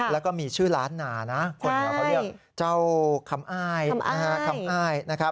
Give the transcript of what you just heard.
แล้วก็มีชื่อร้านนาคนเหลือเขาเรียกเจ้าคำอ้าย